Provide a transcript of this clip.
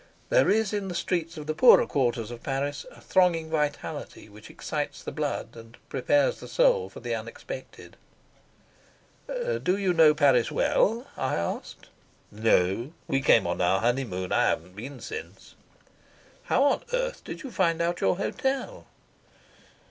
There is in the streets of the poorer quarters of Paris a thronging vitality which excites the blood and prepares the soul for the unexpected. "Do you know Paris well?" I asked. "No. We came on our honeymoon. I haven't been since." "How on earth did you find out your hotel?"